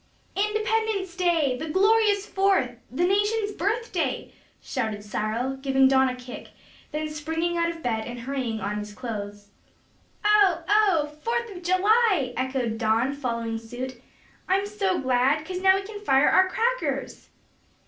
"Independence day! the glorious Fourth, the nation's birthday," shouted Cyril, giving Don a kick, then springing out of bed and hurrying on his clothes. "Oh! oh! Fourth of July!" echoed Don, following suit. "I'm so glad, 'cause now we can fire our crackers."